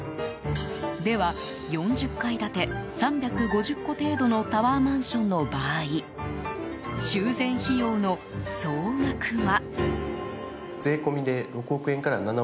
では、４０階建て３５０戸程度のタワーマンションの場合修繕費用の総額は？